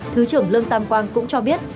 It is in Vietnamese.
thứ trưởng lương tam quang cũng cho biết